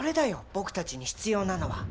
僕たちに必要なのは。